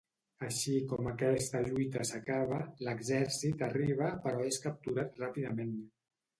Així com aquesta lluita s'acaba, l'exèrcit arriba però és capturat ràpidament.